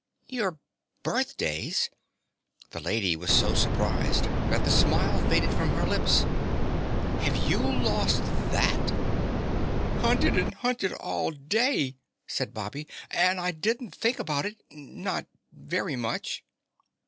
"Your birthdays!" The lady was so surprised that the smile faded from her lips. "Have you lost that?" "Hunted and hunted all day," said Bobby. "And I didn't think about it Not very much."